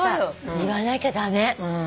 言わなきゃ駄目。